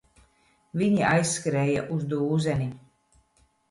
Viņi aizskrēja uz dūzeni.